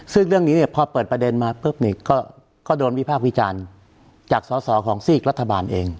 ซึ่งเรื่องนี้เนี่ยพอเปิดประเด็นมาปุ๊บเนี่ยก็โดนวิพากษ์วิจารณ์จากสอสอของซีกรัฐบาลเอง